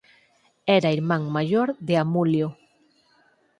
Era irmán maior de Amulio.